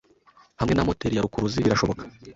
hamwe na moteri ya rukuruzi birashoboka